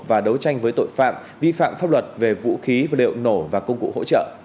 và đấu tranh với tội phạm vi phạm pháp luật về vũ khí vật liệu nổ và công cụ hỗ trợ